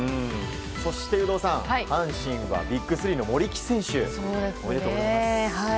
そして、有働さん阪神はＢＩＧ３の森木選手おめでとうございます。